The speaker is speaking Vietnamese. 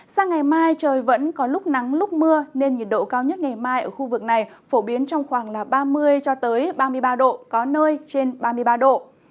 sang ngày mai trời vẫn có lúc nắng lúc mưa nên nhiệt độ cao nhất ngày mai ở khu vực này phổ biến trong khoảng ba mươi ba mươi ba độ có nơi trên ba mươi ba độ